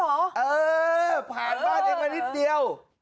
เออผ่านบ้านเองมานิดเดียว